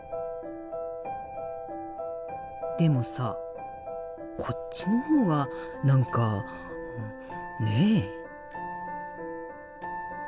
でもさこっちの方が何かねえ？